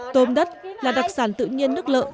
tôm đất là đặc sản tự nhiên nước lợn